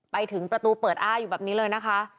ไปถึงประตูเปิดอ้าอยู่แบบนี้เลยนะคะ